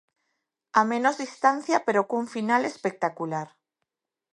A menos distancia pero cun final espectacular.